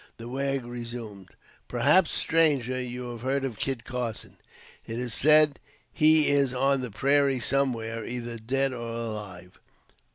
The wag resumed "Perhaps, stranger, you have heard of Kit Carson. It is said he is on the prairies somewhere, either dead or alive."